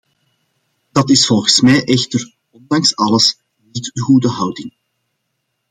Dat is volgens mij echter, ondanks alles, niet de goede houding.